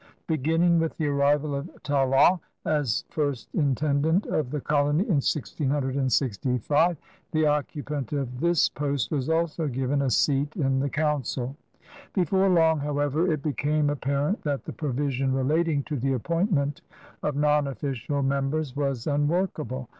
Beginning with the arrival of Talon as first intendant of the colony in 1665, the occupant of this post was also given a seat in the Council. Before long, however, it became apparent that the provision relating to the appointment of non official members was unworkable.